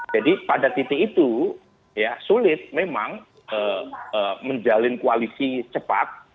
jadi pada titik itu ya sulit memang menjalin koalisi cepat